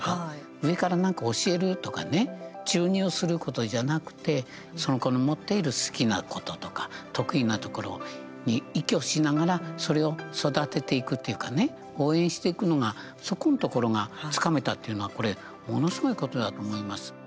上からなんか教えるとかね注入することじゃなくてその子の持っている好きなこととか得意なところに依拠しながらそれを育てていくというかね応援していくのがそこのところがつかめたっていうのは、これものすごいことだと思います。